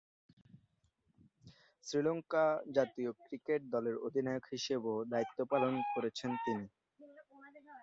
শ্রীলঙ্কা জাতীয় ক্রিকেট দলের অধিনায়ক হিসেবেও দায়িত্ব পালন করেছেন তিনি।